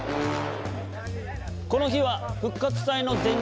この日は復活祭の前日。